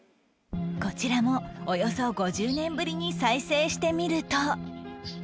こちらもおよそ５０年ぶりに再生してみると